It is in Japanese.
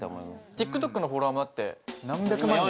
ＴｉｋＴｏｋのフォロワーもあって何百万人？